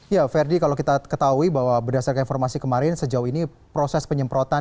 ya verdi kalau kita ketahui bahwa berdasarkan informasi kemarin sejauh ini proses penyemprotan